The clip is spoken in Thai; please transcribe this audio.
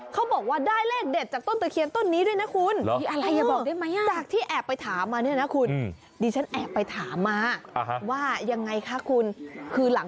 ก็คือโทรศัพท์มือถือ